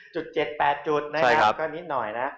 ๗๘จุดนะครับก็นิดหน่อยนะ